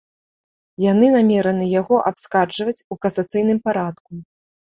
Яны намераны яго абскарджваць у касацыйным парадку.